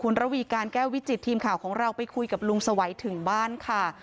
ระวีการแก้ววิจิตทีมข่าวของเราไปคุยกับลุงสวัยถึงบ้านค่ะ